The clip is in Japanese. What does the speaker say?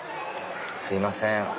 すいません